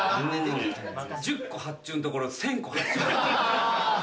１０個発注のところ１，０００個発注。